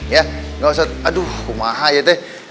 ya nggak usah aduh mahal ya teh